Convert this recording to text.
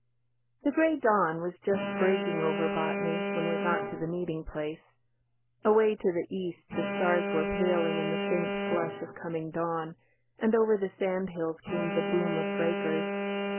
The grey dawn was just breaking over Botany when we got to the meeting place. Away to the East the stars were paling in the faint flush of coming dawn, and over the sandhills came the boom of breakers.